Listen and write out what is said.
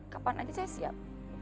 kapan aja saya siap